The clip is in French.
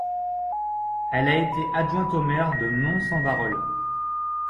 Elle a été adjointe au maire de Mons-en-Barœul.